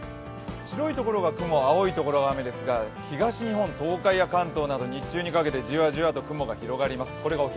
白いところが雲、青いところが雨ですが、東日本、東海や関東など日中にかけてじわじわと雲が広がります。